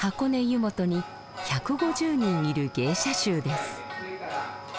湯本に１５０人いる芸者衆です。